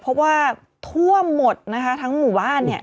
เพราะว่าท่วมหมดนะคะทั้งหมู่บ้านเนี่ย